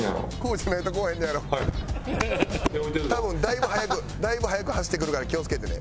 多分だいぶ速くだいぶ速く走ってくるから気を付けてね。